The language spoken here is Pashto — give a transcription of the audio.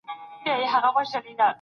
امیرحمزه بابا روح دي ښاد وي